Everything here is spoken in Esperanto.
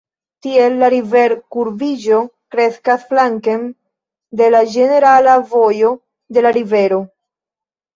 Tiel la river-kurbiĝo kreskas flanken de la ĝenerala vojo de la rivero.